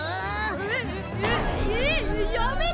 えっえっえっやめてよ！